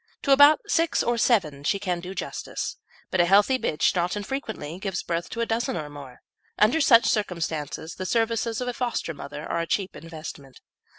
To about six or seven she can do justice, but a healthy bitch not infrequently gives birth to a dozen or more. Under such circumstances the services of a foster mother are a cheap investment.